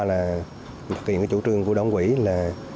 một kiện chủ trương của đồng quỹ là